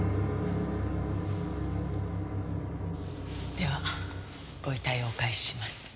ではご遺体をお返しします。